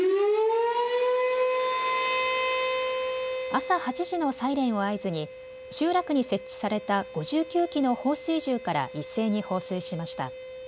朝８時のサイレンを合図に集落に設置された５９基の放水銃から一斉に放水しました。